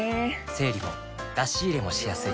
整理も出し入れもしやすい